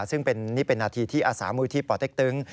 ซึ่งนี่เป็นนาทีที่อาสามูลที่ป่อเต็กตึง